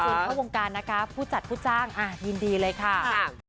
เข้าวงการนะคะผู้จัดผู้จ้างยินดีเลยค่ะ